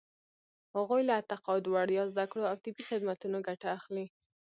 هغوی له تقاعد، وړیا زده کړو او طبي خدمتونو ګټه اخلي.